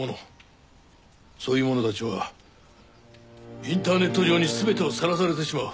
そういう者たちはインターネット上に全てをさらされてしまう。